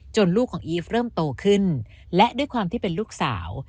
ลูกของอีฟเริ่มโตขึ้นและด้วยความที่เป็นลูกสาว